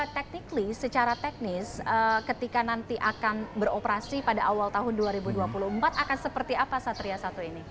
taktik secara teknis ketika nanti akan beroperasi pada awal tahun dua ribu dua puluh empat akan seperti apa satria satu ini